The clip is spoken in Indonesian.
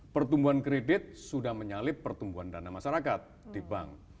pertumbuhan kredit sudah menyalip pertumbuhan dana masyarakat di bank